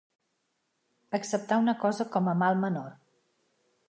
Acceptar una cosa com a mal menor.